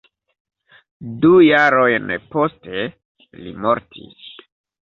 Du jarojn poste li mortis.